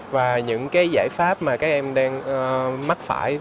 và những giải pháp mà các em đang sử dụng